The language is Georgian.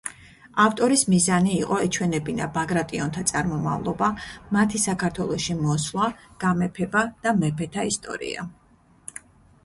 ავტორის მიზანი იყო ეჩვენებინა ბაგრატიონთა წარმომავლობა, მათი საქართველოში მოსვლა, გამეფება და მეფეთა ისტორია.